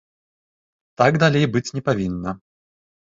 Так далей быць не павінна.